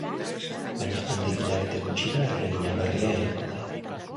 Baina handik hilabete gutxira erregina berria hilko da.